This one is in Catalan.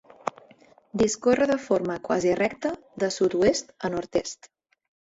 Discorre de forma quasi recta de sud-oest a nord-est.